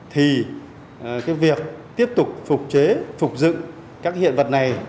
thì việc tiếp tục phục chế phục dựng các hiện vật này